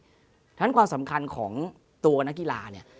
เพราะฉะนั้นความสำคัญของตัวนักกีฬาเนี่ย